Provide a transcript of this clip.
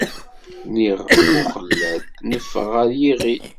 Nnig Buxellad, neffeɣ ɣer Yiɣil.